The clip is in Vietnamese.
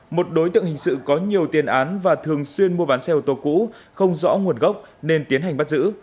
một đối tượng hình sự có nhiều tiền án và thường xuyên mua bán xe ô tô cũ không rõ nguồn gốc nên tiến hành bắt giữ